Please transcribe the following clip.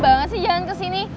sama banget sih jalan kesini